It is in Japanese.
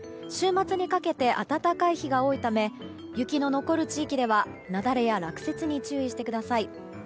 週末にかけて暖かい日が多いため雪の残る地域では雪崩や落雪に注意してください。